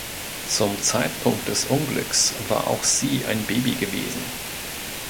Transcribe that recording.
Zum Zeitpunkt des Unglücks war auch sie ein Baby gewesen.